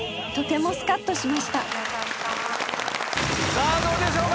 さあどうでしょうか？